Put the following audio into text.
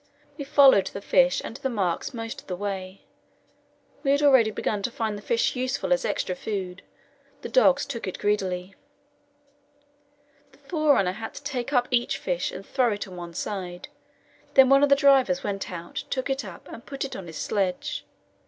We followed the fish and the marks most of the way. We had already begun to find the fish useful as extra food; the dogs took it greedily. The forerunner had to take up each fish and throw it on one side; then one of the drivers went out, took it up, and put it on his sledge.